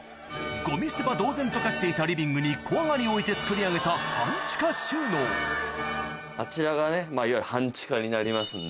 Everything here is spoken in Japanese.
ゴミ捨て場同然と化していたリビングに小上がりを置いてつくり上げた半地下収納あちらがねいわゆる半地下になりますんで。